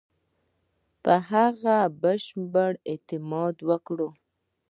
په هغه بشپړ اعتماد وکړ.